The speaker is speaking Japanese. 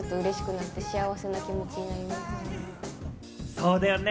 そうだよね